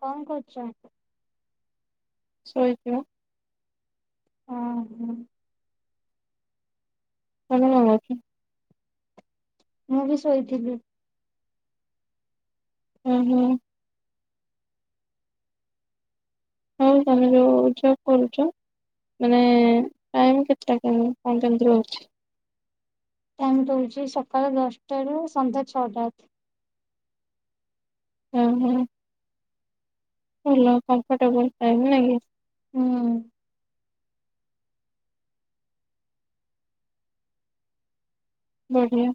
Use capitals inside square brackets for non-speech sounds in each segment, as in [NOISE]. କଣ କରଚ? ଶୋଇଚୁ। ହଁ ହୁଁ। ତମେ କଣ କରୁଚ? ମୁଁ ବି ଶୋଇଥିଲି। ହୁଁ ହୁଁ। ହଉ ତମେ ଯୋଉ ଜବ୍ କରୁଚ? ମାନେ ଟାଇମ୍ କେତେଟା କେ କଣ କେମିତି ରହୁଛି। ଟାଇମ୍ ରହୁଛି ସକାଳ ଦଶଟା ରୁ ସନ୍ଧ୍ୟା ଛଅଟା। ହୁଁ ହୁଁ। ଭଲ କମ୍ଫର୍ଟେବଲ ଟାଇମ୍ ନାଇକି। ଉ ହୁଁ। ବଢିଆ।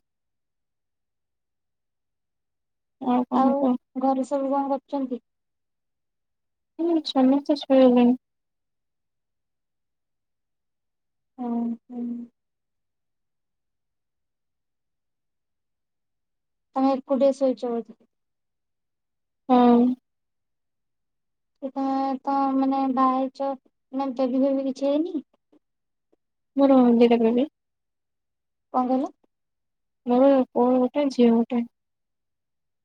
ଆଉ କଣ କୁହ? ସବୁ କଣ କରୁଛନ୍ତି? ହୁଁ ସମସ୍ତେ ଶୋଇଲେଣି। ହଁ ହୁଁ। ତମେ ଏକୁଟିଆ ଶୋଉଚ ବୋଧେ? ହଁ। ସେ ତ ତ ମାନେ ବାହା ହେଇଚ ମାନେ ବେବି ଫେବି କିଛି ହେଇନି? ମୋର ଦିଟା ବେବି। କଣ କହିଲ। ମୋର ପୁଅ ଗୋଟେ ଝିଅ ଗୋଟେ।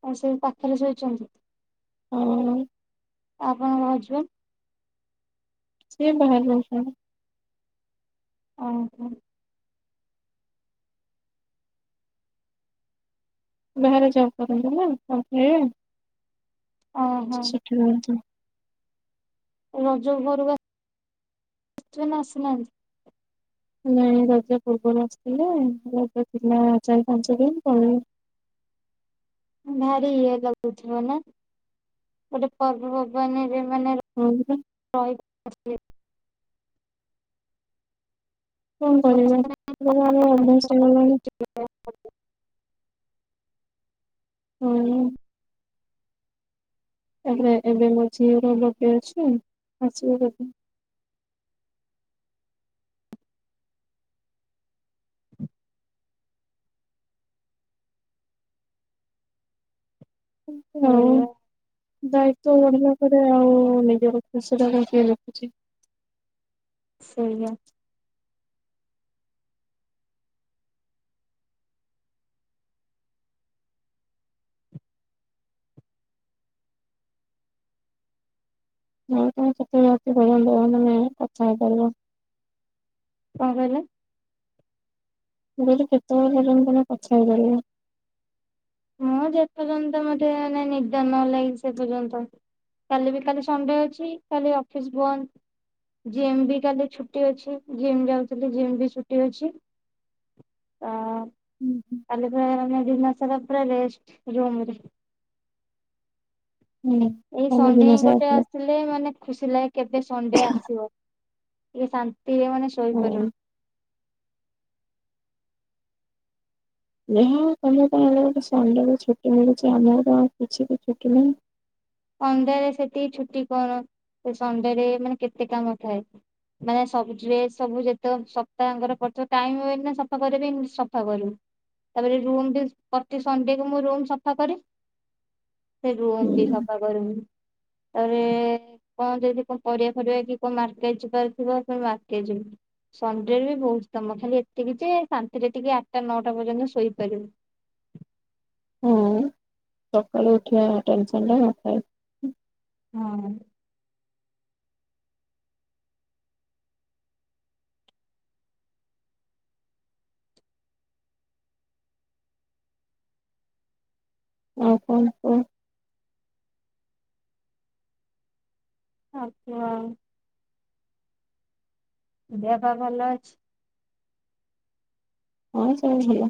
ଆଉ ସେ ପାଖରେ ଶୋଇଛନ୍ତି। ହଁ। ଆପଣଙ୍କ ର ଛୁଆ? ସେ ବାହାରେ ରହୁଛନ୍ତି। ଓହୋ। ବାହାରେ ଜବ କରନ୍ତି ନା କୋପାନୀ ରେ। ଓହୋ ସେଠି ରୁହନ୍ତି। ରଜକୁ ଘରକୁ ଆ ଆସିବେ ନା ଆସିନାହାଁନ୍ତି? ନାଇଁ ରଜ ପୂର୍ବରୁ ଆସିଥିଲେ ରଜ ଥିଲା ଚାରି ପାଞ୍ଚ ଦିନ ତଳେ ଭାରି ଇଏ ଲାଗୁଥିବ ନା ଗୋଟେ ପର୍ବ ପର୍ବାଣୀ? ମାନେ ପଳେଇଲେ ରହି। [INAUDIBLE] କଣ କରିବା ଏବେ ତ ଆମ ଅଭ୍ୟାସ ହେଇଗଲାଣି। ହୁଁ। ତା ପରେ ଏବେ ଏବେ ମୋ ଝିଅର ବଡେ ଅଛି। ଆସିବ କେବ ହୁଁ ଆଉ ଏଇଆ ଦାୟିତ୍ୱ ବଢିଲା ପରେ ଆଉ ନିଜର ଖୁସି ଟା କଣ କିଏ ଦେଖୁଚି? ସେଇଆ ନା ତମେ କେତେବେଳେ ରାତି ପର୍ଯ୍ୟନ୍ତ ମାନେ କଥା ହେଇପାରିବ। କଣ କହିଲ? ମୁଁ କହିଲି କେତେବେଳ ପର୍ଯ୍ୟନ୍ତ ତମେ କଥା ହେଇପାରିବ? ମୁଁ ଯେ ପର୍ୟ୍ୟନ୍ତ ମତେ ଏଇନେ ନିଦ ନ ଲାଗିଚି ସେ ପର୍ୟ୍ୟନ୍ତ। କାଲି ବି କାଲି ସଣ୍ଡେ ଅଛି କାଲି ଅଫିସ ବନ୍ଦ। ଜିମ୍ ବି କାଲି ଛୁଟି ଅଛି ଜିମ୍ ଯାଉଥିଲି ଜିମ୍ ବି ଛୁଟି ଅଛି। ତ କାଲି ପୁରା [UNINTELLIGIBLE] ଦିନ ସାରା ପୁରା ରେଷ୍ଟ ରୁମ୍ ରେ। ହୁଁ ଏଇ କାଲି ସଣ୍ଡେ ଦିନ ହିଁ ସାରା ଗୋଟେ ପୁରା ଆସିଲେ ମାନେ ଖୁସି ଲାଗେ। କେବେ ସଣ୍ଡେ ଆସିବ? ଟିକେ ଶାନ୍ତିରେ ମାନେ ଶୋଇପାରୁବୁ। ହଁ। ଯା ହଉ ତମର ତ ହେଲେ ସଣ୍ଡେରେ ଗୋଟେ ଛୁଟି ମିଳୁଚି। ଆମର ତ ଆଉ କିଛି ବି ଛୁଟି ନାହିଁ। ସଣ୍ଡେରେ ସେଟିକି ଛୁଟି କଣ ସଣ୍ଡେରେ ମାନେ କେତେ କାମ ଥାଏ। ମାନେ ସବୁ ଡ୍ରେସ୍ ସବୁ ଯେତେକ ସପ୍ତାହଙ୍କର ପଡ଼ିଥିବ। ଟାଇମ ହୁଏନି ନା ସଫା କରିବା ପାଇଁ ମୁ ସଫା କରିବୁ। ତା ପରେ ରୁମ୍ ବି ପତି ସାଣ୍ଡେକୁ ମୁଁ ରୁମ୍ ସଫା କରେ। ଫେରେ ରୁମ୍ ବି ହୁଁ ସଫ ତା ପରେ କଣ ଯଦି କଣ ପରିବା ଫରିବା କି କଣ ମାର୍କେଟ ଯିବାର ଥିବ ଫୁଣି ମାର୍କେଟ ଯିବୁ। ସଣ୍ଡେରେ ବି ବହୁତ କାମ ଖାଲି ଏତିକି ଯେ ଶାନ୍ତିରେ ଟିକେ ଆଠଟା ନଅଟା ପର୍ଯ୍ୟନ୍ତ ଶୋଇପାରିବୁ। ହଁ ସକାଳେୁ ଉଠିବା ଟେନସନ୍ ଟା ନଥାଏ। ହଁ। ଆଉ କଣ କୁହ? ଆଉ କୁହ ଦେହ ପା ଭଲ ଅଛି? ହଁ ସବୁ ଭଲ।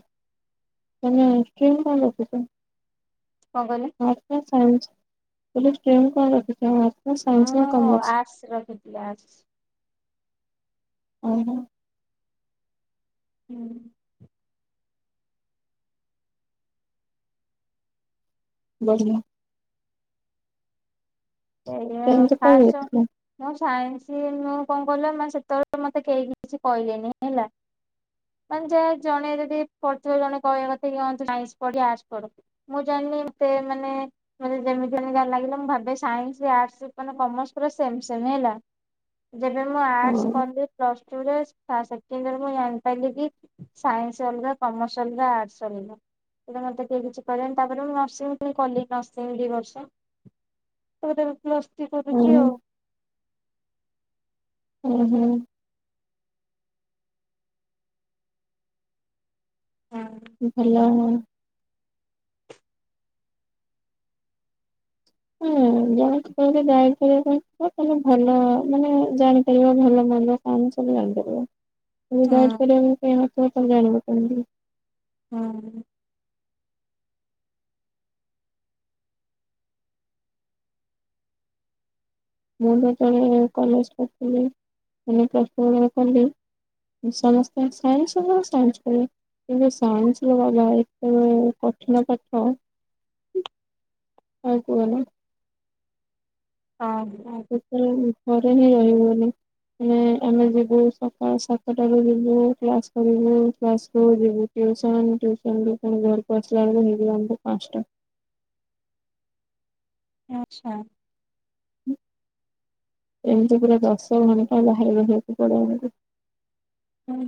ତମେ ଷ୍ଟ୍ରୀମ୍ କଣ ରଖିଚ? କଁ କହିଲେ? ସାଇଁସ୍ ମୁଁ କହିଲି ଷ୍ଟ୍ରିମ୍ କଣ ରଖି ମୁଁ ଆର୍ଟସ୍ ରଖିଥିଲି ଆର୍ଟସ୍। ଓଃ ହୋ। ହୁଁ। ବଢିଆ। ସେଇଆ ଟେନ୍ଥ କୋଉ ଫାର୍ସ ରଖିଥିଲ? ମସ ସାଇଁସ୍ ମୁଁ କଣ କହିଲ ମାନେ ସେତେବେଳେ ତ ମତେ କେହି କିଛି କହିଲେନି ହେଲା। ମାନ ଯା ଜଣେ ହେଲେ ଟିକେ ପଢଥିବ ଜଣେ କହିବା କଥା କି ହଁ ତୁ ସାଇଁସ୍ ପଢ଼ କି ଆର୍ଟସ୍ ପଢ଼। ମୁଁ ଜାଣି ଣି ତେ ମାନେ ମତେ ଯେମିତି ଯାହା ଲାଗିଲା ମୁଁ ଭାବେ ସାଇଁସ୍ ସ୍, ଆର୍ଟସ୍ ମାନେ କମର୍ସ ପୁରା ସେମ୍ ସେମ୍ ହେଲା। ଯେବେ ମୁଁ ଓହୋ ଆର୍ଟସ୍ କଲି ପ୍ଲସ୍ ଟୁ ରେ ଫାସ୍ ସେକେଣ୍ଡିୟରେ ମୁଁ ଜାଣିପାରିଲି କି ସାଇଁସ୍ ଅଲଗା କମର୍ସ ଅଲଗା ଆର୍ଟସ ଅଲଗା। ସେଟା ମତେ କିଏ କିଛି କଇଲେନି ତା ପରେ ମୁଁ ନର୍ସିଂ ପୁଣି କଲି ନର୍ସିଂ ଦି ବର୍ଷ। ତା ପରେ ଏବେ ପ୍ଲସ୍ ଥ୍ରି କରିୁଚି ଓହୋ ଆଉ। ଉଁ ହୁଁ। ହୁଁ ଭଲ। ହୁଁ। ଜଣ ଜଣେ କହିଲେ ଯାଇପାରିବା ତ ତମେ ଭଲ ମାନେ ଜାଣିପାରିବ ଭଲ ମନ୍ଦ କ ତାହାଲେ ହୁଁ ଜାଣିପାରିବ [UNINTELLIGIBLE] ହୁଁ। ମୁଁ ଯେତେବେଳେ କଲେଜ ପଢୁଥିଲି। ଆମ ପ୍ଲସ ଟୁ ବେଳର କଲେଜ ସମସ୍ତେ ସାଇନ୍ସ ହ ସାଇନ୍ସ କର କିନ୍ତୁ ସାଇନ୍ସ ର ବାବା ଏତେବେ କଠିନ ପାଠ। ଆ କୁହନା। ହଁ ସେତେବେଳେ ଘରେ ହିଁ ରହିହବନି। ମାନେ ଆମେ ଯିବୁ ସକାଳ ସାତଟାରୁ ଯିବୁ କ୍ଲାସ କରିବୁ କ୍ଲାସକୁୁ ଯିବୁ ଟ୍ୟୁଶନ ଟ୍ୟୁଶନ୍ ରୁ ଫୁଣି ଘରକୁ ଆସିଲାବେଳକୁ ହେଇଯିବ ଫୁଣି ପାଞ୍ଚଟା। ଆଛା। ହଁ। ଏମିତି ପୁରା ଦଶ ଘଣ୍ଟା ବାହାର ରହିବାକୁ ପଡେ ଆମକୁ। ହୁଁ।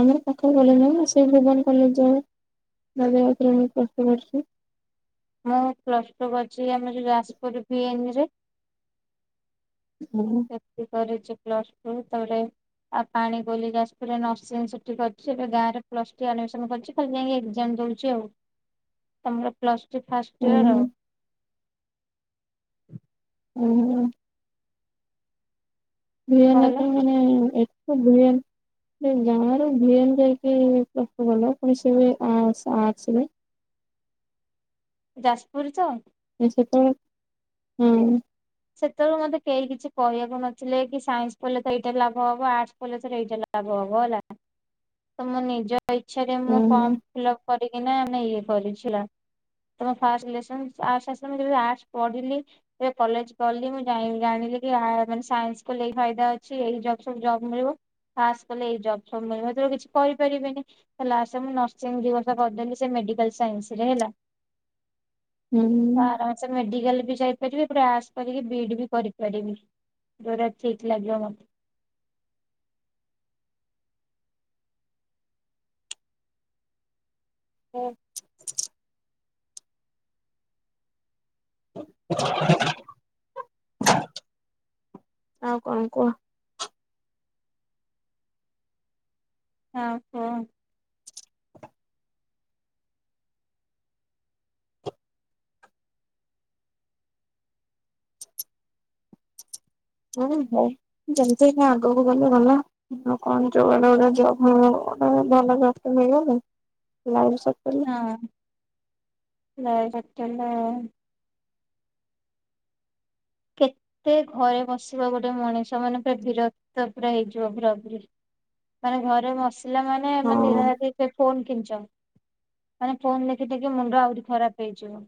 ଆମର ପାଖ କଲେଜ ଅ ସେ ଭୁବନ କଲେଜ ଯାଉ। ବାଜି ରାଉତ ରେ ମୁ ପ୍ଲସ ଥ୍ରି କରିଛି। ମୁଁ ପ୍ଲସ ଟୁ କରିଛି ଆମ ଯୋଉ ଯାଜପୁର ଭି ଏନ୍ ରେ। ସେଠି କରିଛି ପ୍ଲସ ଟୁ ତାପରେ ଆଉ ପାଣିକୋଇଲି ଯାଜପୁରରେ ନସିଂ ସେଠି କରିଛି। ଏବେ ଗାଁରେ ପ୍ଲସ ଥ୍ରି ଆଡମିଶନ୍ କରିଛି ଖାଲି ଯାଇକି ଏଗଯାମ ଦୋଉଚି ଆଉ। ତମର ପ୍ଲସ ଥ୍ରି ଫାଷ୍ଟ ଇଅର? ହୁଁ। ଭି ଏନ୍ ରେ କଣ କହିଲ ତ ମାନେ ଏଠୁ ଭି ଏନ୍ ଗାଁରୁ ଭି ଏନ୍ ଯାଇକି ପ୍ଲସ ଟୁ କଲ ଫୁଣି ସେ ଆର୍ଟ୍ସ ଆର୍ଟ୍ସ ରେ? ଯାଜପୁର ତ ସେ ତ ହୁଁ ସେତବେଳୁ ମତେ କେହି କିଛି କହିବାକୁ ନଥିଲେ କି ସାଇନ୍ସ କଲେ ତ ଏଇଟା ଲାଭ ହବ ଆର୍ଟସ ପଢିଲେ ତତେ ଏଇଟା ଲାଭ ହବ। ହବ ହେଲା ତ ମୋ ନିଜ ଇଚ୍ଛାରେ ମୁଁ ହୁଁ ଫର୍ମ ଫିଲ ଅପ କରିକିନା ଆମେ ଇଏ କରିଛିଲା। ତ ମୋର ଫାଷ୍ଟ ସିଲେକ୍ସନ ଆର୍ଟ୍ସ ଆସିଲା ମୁ ଯେବେ ଆର୍ଟ୍ସ ପଢିଲି କଲେଜ୍ କଲି ମୁଁ ଜାଣି ଜାଣିଲି କି ମାନେ ସାଇନ୍ସ କଲେ ଏଇ ଫାଇଦା ଅଛି ଏଇ ଜବ ସବୁ ଜବ ମିଳିବ। ଆର୍ଟ୍ସ କଲେ ଏଇ ଜବ୍ ଫବ ମିଳିବ। ହେତେବେଲୁ କିଛି କରିପାରିବିନି ତ ଲାଷ୍ଟ୍ରେ ମୁଁ ନର୍ସିଂ ଦି ବର୍ଷ କରିଦେଲି ସେ ମେ ମେଡିକାଲ ସାଇନ୍ସ ରେ ହେଲା [INAUDIBLE] ପୁରା ହୁଁ ଆରାମସେ ମେଡିକାଲ ବି ଯାଇପାରିବେ ପୁରା ଆସ୍ କରିକି ବି ଇ ଡି ବି କରିପାରିବି ଯୋଉଟା ଠିକ ଲାଗିବ ମତେ। [INAUDIBLE] ହଁ। [UNINTELLIGIBLE] ଆଉ କଣ କୁହ? ହ କୁହ। ହଁ ହଉ ଯେମତି ଆଗକୁ ଗଲେ ଗଲା କଣ ଗ ଜବ ଗୋଟେ ଭଲ ଜବ ଟେ ମିଳିଗଲେ ଲାଇଫ ସେଟେଲ। ହଁ ଲାଇଫ ସେଟେଲ ଆଉ। କେତେ ଘରେ ବସିବ ଗୋଟେ ମଣିଷ ମାନେ ପୁରା ବୀରକ୍ତ ପୁରା ହେଇଯିବ ପୁରାପୁରି। ମାନେ ଘରେ ମସିଲା ମାନେ ହଁ ମାନେ ଦିନ ରାତି ସେ ଫୋନ ଖିଞ୍ଚ। ଆ ଫୋନ ଦେଖି ଦେଖି ମୁଣ୍ଡ ଆହୁରି ଖରାପ ହେଇଯିବ।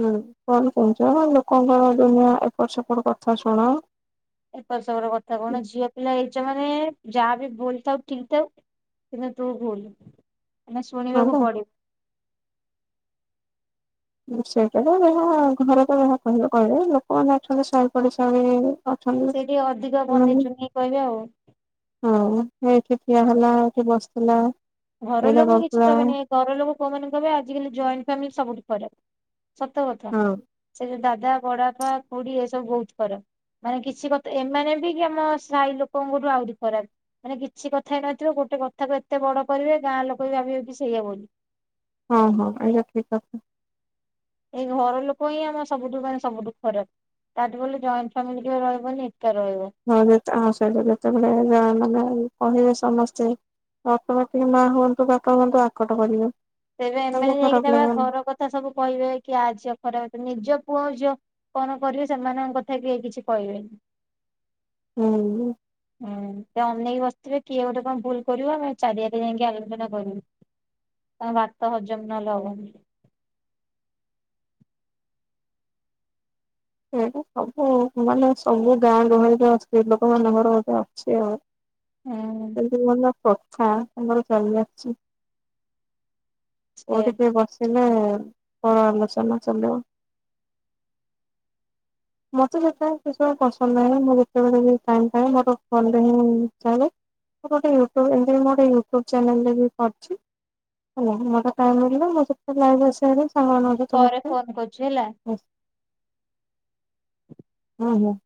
ହୁଁ କଣ କହୁଛ ଲୋକଙ୍କର ଦୂନିଆ ଏପଟ ସେପଟ କଥା ଶୁଣ ଏପଟ୍ ସେପଟ କଥା କଣ ଝିଅ ପିଲା ହେଇଛ ମାନେ ଯାହାବି ଭୁଲ ଥାଉ ଠିକ୍ ଥାଉ କିନ୍ତୁ ତୁ ଭୁଲ। ମାନେ ହଁ ଶୁଣିବାକୁ ବା ପଡିବ। ସେଇଟାରେ ଯ ଘରକୁ ଯ କହିବା କହିଲେ ଲୋକମାନେ ଆଠଛନ୍ତି ଶହି ପଡିଶା [UNINTELLIGIBLE] ଅ ସେ ଟିକେ ଅଧିକ ବନେଇ ସେମାନେ ଚୁନେଇ କହିବେ ଆଉ। ହଁ ଏଠ [UNINTELLIGIBLE] କିଏ ହେଲା, କିଏ ବସିଥିଲା। ଘର ଏଇଟା ଲୋକ କିଛି କରୁଥିଲା କହିବେନି ଘର ଲୋକ କୋଉ ମାନ କହିବେ ଆଜିକାଲି ଜଏଣ୍ଟ ଫ୍ୟାମିଲି, ସବୁଠ ଖରାପ। ସତ କଥା, ହଁ ସେ ଯୋଉ ଦାଦା, ବଡବାପା, ଖୁଡି ଏସବୁ ବହୁତ କର ମାନେ କିଛି କଥା ଏମାନେ ବି କି ଆମ ସାଇ ଲୋକଙ୍କଠୁ ଆହୁରି ଖରାପ, ମାନେ କିଛି କଥା ହେଇନଥିବ, ଗୋଟେ ଗୋଟେ କଥାକୁ ଏତେ ବଡ କରିବେ, ଗାଁ ଲୋକ ବି ଭାବିବେ ସେଇଆ ବୋଲି ହଁ ହଁ [UNINTELLIGIBLE] ଏଇା ଠିକ ଅ ଏଇ ଘର ଲୋକ ହିଁ ଆମ ସବୁଠୁ ମାନେ ସବୁଠୁ ଖରାପ, ତାଠୁ ଗଲେ ଜଏଣ୍ଟ ଫାମିଲି ଟେ ରହିବନି ଏକା ରହିବ। ହଉ ଯେତ ଆସଲି ଯେତେବେଳେ ମାନେ କହିବେ ସମସ୍ତେ, ଅଟୋମଟିକ ମା ହୁଅନ୍ତୁ ବାପା ହୁଅନ୍ତୁ ଆକଟ କରିବେ। ତେବେ ତାଙ୍କୁ ଏମାନେ ଯାଇକି ଖରାପ ଲାଗିବନି ଘର କଥା ସବୁ କହିବେ, କି, ଆ ଝିଅ ଖରାପ, ନିଜ କୁ ପୁଅ ଝିଅ କଣ କରିବେ, ସେମାନଙ୍କ କଥା କେହି କିଛି କହିବେନି। ହୁଁ। ହୁଁ ତ ଅମନ ବ [UNINTELLIGIBLE] ତେ କିଏ ଗୋଟେ କଣ ଭୁଲ କରିବ, ଆମେ ଚାରିଆଡେ ଯାଇକି ଆଲୋଚନା କରିବୁ। ଭାତ ହଜମ ନ ହେଲେ ହବନି। ଏଟା ସବୁ ମାନେ, ସବୁ ଗାଁ ଗହଳିରେ ଅଛି, ଲୋକମାନଙ୍କର ଗଧେ [UNINTELLIGIBLE] ଅଛି ଆଉ ହୁଁ ସେ ଭ [UNINTELLIGIBLE] କଥା ଆମର ଚାଲି ଆସିଛି ସେ ଓଟ ତ ବସେ [UNINTELLIGIBLE] ମଛ ନା ଶଲ [UNINTELLIGIBLE] ମତେ ସେତ କି ପସନ୍ଦ ନାହିଁ, ମୁଁ ଯେତେବେଳେଏ ମୋର ଫନରେ ହିଁ ଚା [UNINTELLIGIBLE] ମୁଁ ଗୋଟେ ୟୁୁବ ଏ ମୁଁ ଗଟେ ୟୁଟ୍ୟୁବ ଚ୍ୟାନେଲ ରେ ବି କରିଛି। ହୋ ମ କଏ ମିିଲ ମ ତ ଲାଇଭ ଆସାରେ [UNINTELLIGIBLE] ଙ୍ଗ ପରେ ତୁମତ ଫୋନ କରୁଛି ହେଲା। [UNINTELLIGIBLE] ହୁଁ ହୁଁ